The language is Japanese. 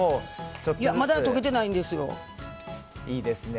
まだ溶けてないんですよ。